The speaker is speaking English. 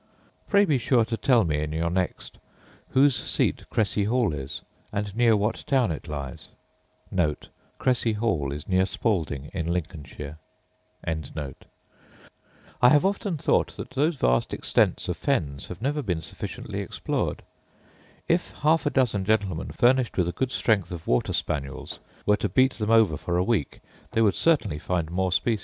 Pray be sure to tell me in your next whose seat Cressi hall is, and near what town it lies.* I have often thought that those vast extents of fens have never been sufficiently explored. If half a dozen gentlemen, furnished with a good strength of water spaniels, were to beat them over for a week, they would certainly find more species.